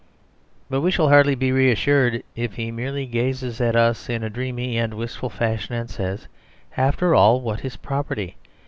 But we shall hardly be reassured if he merely gazes at us in a dreamy and wistful fashion and says, "After all, what is property?